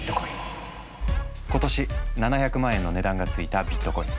今年７００万円の値段が付いたビットコイン。